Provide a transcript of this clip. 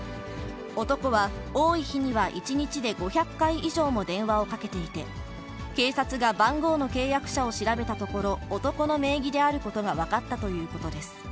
男は多い日には１日で５００回以上も電話をかけていて、警察が番号の契約者を調べたところ、男の名義であることが分かったということです。